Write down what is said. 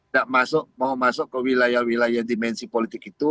nah saya juga ingin masuk ke wilayah wilayah dimensi politik itu